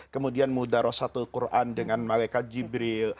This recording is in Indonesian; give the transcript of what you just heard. kemudian mudara satu quran dengan malekat jibril